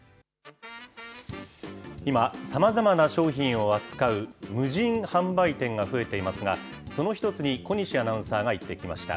今、さまざまな商品を扱う無人販売店が増えていますが、その一つに小西アナウンサーが行ってきました。